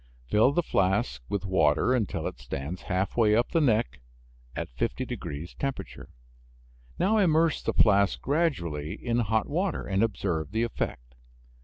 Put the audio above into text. Fill the flask with water until it stands halfway up the neck at 50 degrees temperature. Now immerse the flask gradually in hot water, and observe the effect.